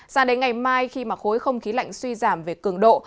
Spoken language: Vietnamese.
sao đến ngày mai khi mà khối không khí lạnh suy giảm về cường độ